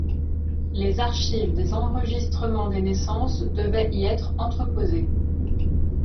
Les archives des enregistrements des naissances devaient y être entreposées.